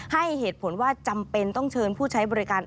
ให้เหตุผลว่าจำเป็นต้องเชิญผู้ใช้บริการ